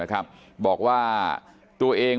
มีคลิปก่อนนะครับ